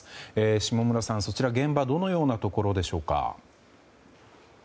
下村さん、そちらの現場はどのようなところでしょうか？